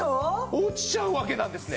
落ちちゃうわけなんですね。